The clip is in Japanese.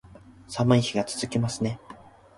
寒い日が続きますね